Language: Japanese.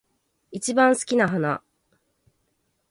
一番好きな花